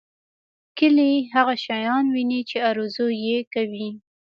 کلی هغه شان ويني چې ارزو یې کوي.